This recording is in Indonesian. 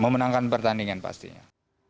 memenangkan pertandingan pastinya